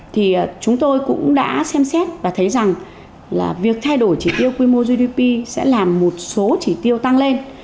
thì chúng tôi cũng đã xem xét và thấy rằng là việc thay đổi chỉ tiêu quy mô gdp sẽ làm một số chỉ tiêu tăng lên